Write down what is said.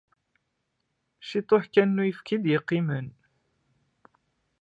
Ciṭṭaḥ kan n uyefki i d-yeqqimen.